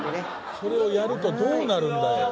それをやるとどうなるんだよ。